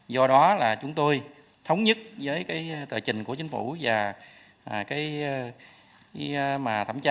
do đó chúng tôi thống nhất với tờ trình của chính phủ và thẩm tra của quỹ ban pháp luật là lực căn cước công dân này rất cần thiết